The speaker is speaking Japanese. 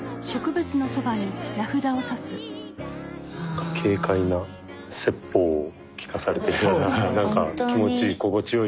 何か軽快な説法を聞かされてるような何か気持ちいい心地よい。